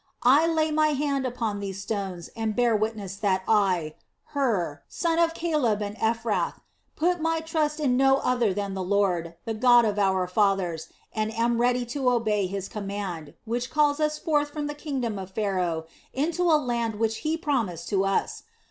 I lay my hand upon these stones and bear witness that I, Hur, son of Caleb and Ephrath, put my trust in no other than the Lord, the God of our fathers, and am ready to obey His command, which calls us forth from the kingdom of Pharaoh into a land which He promised to us.